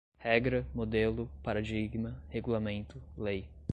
regra, modelo, paradigma, regulamento, lei